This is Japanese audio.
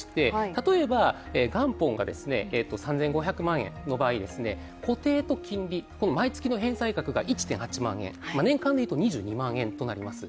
例えば元本が３５００万円の場合、固定と金利、毎月の返済額が１．８万円、年間でいうと２２万円になります。